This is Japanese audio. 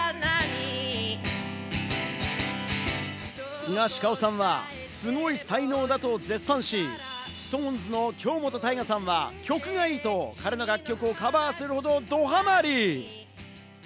スガシカオさんはすごい才能だと絶賛し、ＳｉｘＴＯＮＥＳの京本大我さんは曲がいいと彼の楽曲をカバーするほど、どハマり。